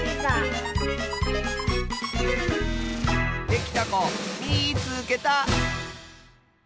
できたこみいつけた！